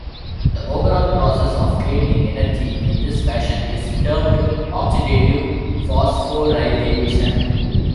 The overall process of creating energy in this fashion is termed oxidative phosphorylation.